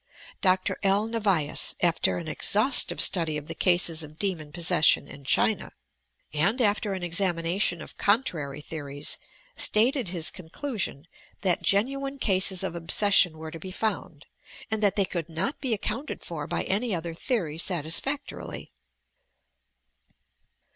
Dr. L. Nevius, after an exhaustive study of the cases of demon possession in China, and after an examination of con trary theories, stated his conclusion that genuine cases of obsession were to be found, and that they could not be accounted for by any other theory satisfactorily.